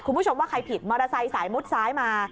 คุณผู้ชมว่าใครผิดมอเตอร์ไซค์สายมุดซ้ายมา